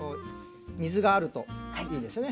水があるといいですよね。